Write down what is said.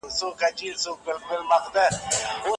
د حکومت تر سيوري لاندې ټول خلګ خوندي دي.